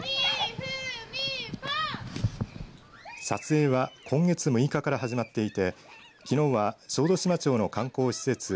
撮影は今月６日から始まっていてきのうは小豆島町の観光施設